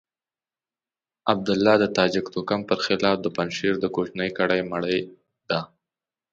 عبدالله د تاجک توکم پر خلاف د پنجشير د کوچنۍ کړۍ مرۍ ده.